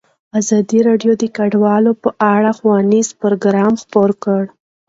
ازادي راډیو د کډوال په اړه ښوونیز پروګرامونه خپاره کړي.